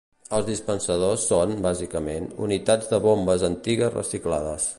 Els dispensadors són, bàsicament, unitats de bombes antigues reciclades.